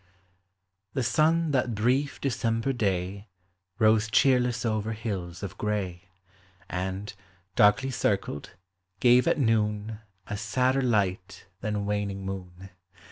The sun that brief December day Rose cheerless over hills of gray, Ami, darkly circled, gave at noun A sadder light than waning moon.